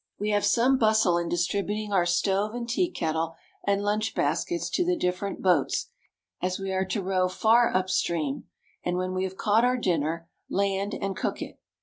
We have some bustle in distributing our stove and tea kettle and lunch baskets to the different boats, as we are to row far up stream, and, when we have caught our dinner, land, and cook it.